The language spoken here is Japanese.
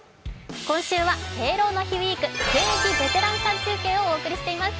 今週は「敬老の日ウィーク現役ベテランさん中継」をお送りしています。